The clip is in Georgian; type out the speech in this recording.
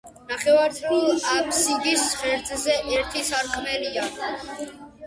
ნახევარწრიულ აფსიდის ღერძზე ერთი სარკმელია.